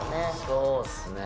そうっすね。